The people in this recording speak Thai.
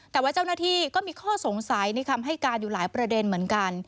แต่ว่าเจ้าหน้าที่ก็มีข้อสงสัยในคำให้การอยู่หลายประเด็นเหมือนกัน